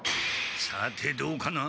さてどうかな？